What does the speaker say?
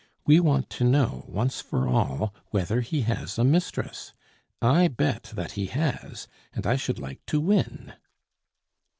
We want to know, once for all, whether he has a mistress. I bet that he has, and I should like to win."